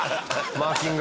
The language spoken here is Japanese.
マーキング。